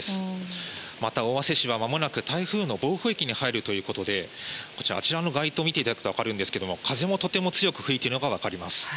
また、尾鷲市はまもなく台風の暴風域に入るということで街灯を見ていただくと分かるんですけど風もとても強く吹いているのが分かります。